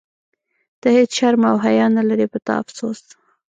ته هیڅ شرم او حیا نه لرې، په تا افسوس.